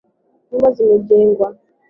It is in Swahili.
Nyumba zimejengwa